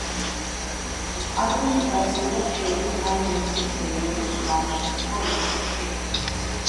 ადმინისტრაციულად შედის აილენდსის რეგიონის მანუსის პროვინციაში.